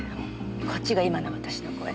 こっちが今の私の声。